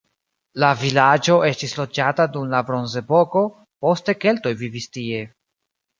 La vilaĝo estis loĝata dum la bronzepoko, poste keltoj vivis tie.